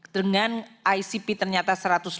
dengan icp ternyata satu ratus lima puluh